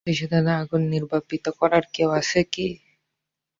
প্রতিশোধের আগুন নির্বাপিত করার কেউ আছ কি?